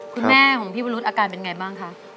คุณแม่ของพี่วรุษอาการเป็นไงบ้างคะ